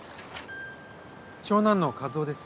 長男の一魚です。